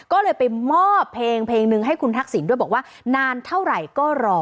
ก็เลยไปมอบเพลงเพลงหนึ่งให้คุณทักษิณด้วยบอกว่านานเท่าไหร่ก็รอ